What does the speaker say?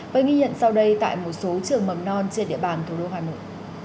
với ghi nhận sau đây tại một số trường mầm non trên địa bàn thủ đô hà nội